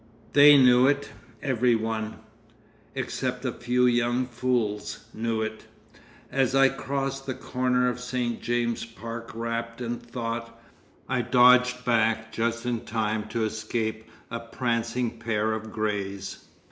They knew it; every one, except a few young fools, knew it. As I crossed the corner of St. James's Park wrapped in thought, I dodged back just in time to escape a prancing pair of greys.